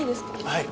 はい。